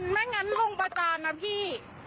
ไม่งั้นคงประจานนะพี่